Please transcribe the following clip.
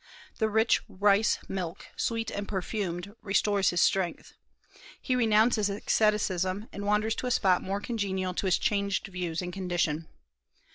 The rich rice milk, sweet and perfumed, restores his strength. He renounces asceticism, and wanders to a spot more congenial to his changed views and condition.